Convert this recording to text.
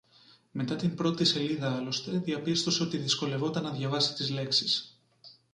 Μετά την πρώτη σελίδα άλλωστε διαπίστωσε ότι δυσκολευόταν να διαβάσει τις λέξεις